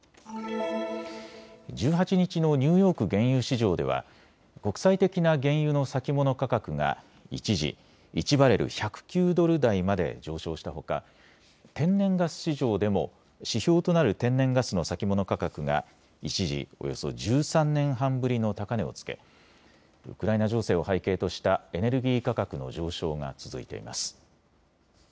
１８日のニューヨーク原油市場では国際的な原油の先物価格が一時、１バレル１０９ドル台まで上昇したほか天然ガス市場でも指標となる天然ガスの先物価格が一時およそ１３年半ぶりの高値をつけウクライナ情勢を背景としたエネルギー価格の上昇が続いています。